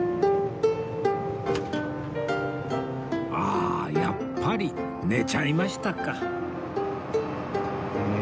ああやっぱり寝ちゃいましたか